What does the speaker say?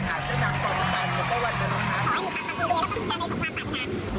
เจ้านางสนทันชัยกับประวัติศาสตร์